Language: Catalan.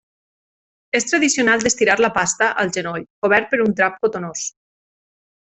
És tradicional d'estirar la pasta al genoll, cobert per un drap cotonós.